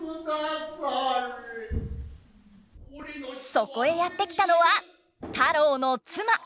そこへやって来たのは太郎の妻。